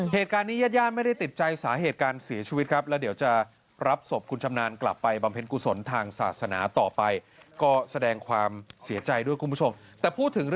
เหตุการณ์นี้ยาดไม่ได้ติดใจ